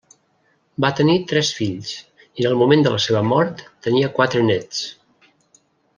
Va tenir tres fills, i en el moment de la seva mort, tenia quatre néts.